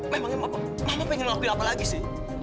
memangnya mama pengen waktu apa lagi sih